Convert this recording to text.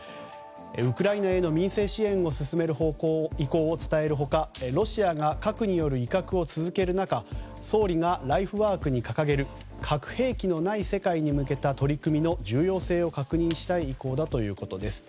ウクライナへの民生支援を進める意向を伝える他ロシアが核による威嚇を続ける中総理がライフワークに掲げる核兵器のない世界に向けた取り組みの重要性を確認したい意向だということです。